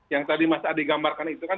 yang tadi mas adi gambarkan itu kan